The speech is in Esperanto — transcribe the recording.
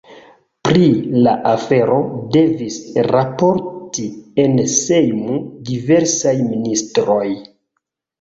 Pri la afero devis raporti en Sejmo diversaj ministroj.